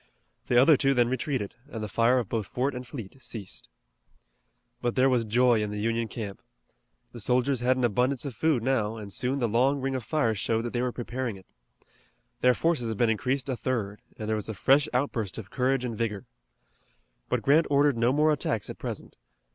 The other two then retreated, and the fire of both fort and fleet ceased. But there was joy in the Union camp. The soldiers had an abundance of food now, and soon the long ring of fires showed that they were preparing it. Their forces had been increased a third, and there was a fresh outburst of courage and vigor. But Grant ordered no more attacks at present.